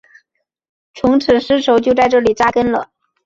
从此丝绸就在这里扎根了。